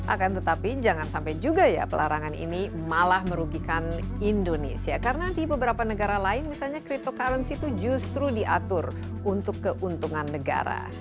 akan tetapi jangan sampai juga ya pelarangan ini malah merugikan indonesia karena di beberapa negara lain misalnya cryptocurrency itu justru diatur untuk keuntungan negara